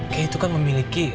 kay itu kan memiliki